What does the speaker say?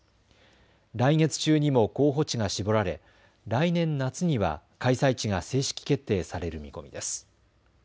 来月中にも候補地が絞られ来年夏には開催地が正式決定される見込みです。